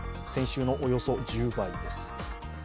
先週のおよそ１０倍です。